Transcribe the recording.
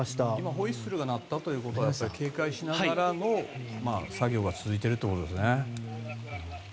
ホイッスルが鳴ったということは警戒しながらの作業が続いているということですね。